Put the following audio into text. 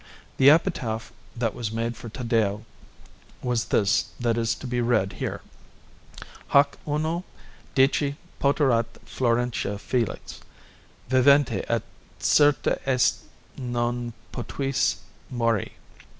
The epitaph that was made for Taddeo was this that is to be read here: HOC UNO DICI POTERAT FLORENTIA FELIX VIVENTE; AT CERTA EST NON POTUISSE MORI.